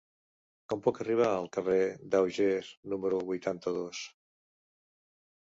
Com puc arribar al carrer d'Auger número vuitanta-dos?